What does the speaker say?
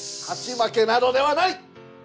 勝ち負けなどではない！